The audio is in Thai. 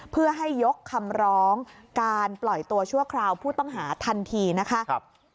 เพื่อให้ยกคำร้องการปล่อยตัวชั่วคราวผู้ต้องหาทันทีนะคะ